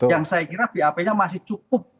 yang saya kira bap nya masih cukup